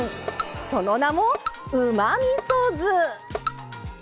その名もうまみそ酢。